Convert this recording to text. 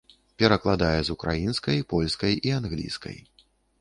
Перакладае з украінскай, польскай і англійскай.